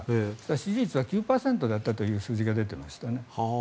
支持率が９％だったという数字が出ていました。